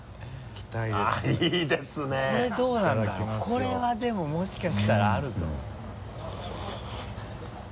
これはでももしかしたらあるぞ。